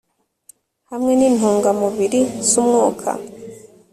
hamwe nintungamubiri zumwuka